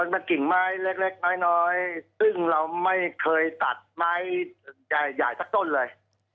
เป็นกิ่งไม้เล็กน้อยซึ่งเราไม่เคยตัดไม้ใหญ่สักต้นเลย